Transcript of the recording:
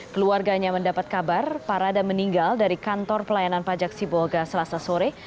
keluarganya mendapat kabar parada meninggal dari kantor pelayanan pajak sibolga selasa sore